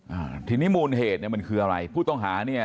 อ่าพี่นี้มูลเหตุมันคืออะไร